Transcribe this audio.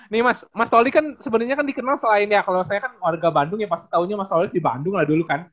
nih mas mas toli kan sebenernya dikenal selain ya kalo saya kan warga bandung ya pasti taunya mas toli di bandung lah dulu kan